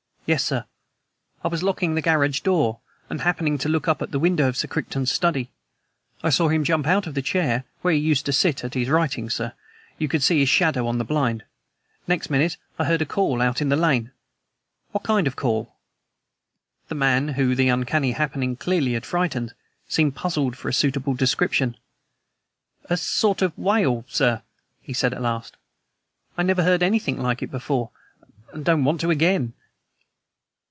"Yes, sir. I was locking the garage door, and, happening to look up at the window of Sir Crichton's study, I saw him jump out of his chair. Where he used to sit at his writing, sir, you could see his shadow on the blind. Next minute I heard a call out in the lane." "What kind of call?" The man, whom the uncanny happening clearly had frightened, seemed puzzled for a suitable description. "A sort of wail, sir," he said at last. "I never heard anything like it before, and don't want to again."